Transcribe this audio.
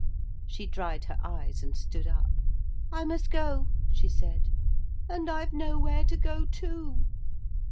She dried her eyes and stood up. 'I must go,' she said, 'and I've nowhere to go to.'